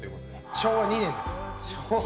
昭和２年です。